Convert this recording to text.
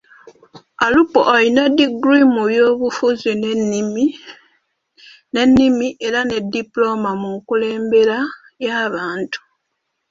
Alupo alina diguli mu byobufuzi n’ennimi era ne dipulooma mu nkulembera y’abantu.